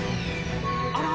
あら？